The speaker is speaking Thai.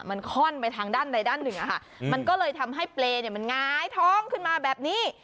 มันค่อนไปทางด้านใดด้านหนึ่งอะค่ะมันก็เลยทำให้เปรย์เนี่ยมันหงายท้องขึ้นมาแบบนี้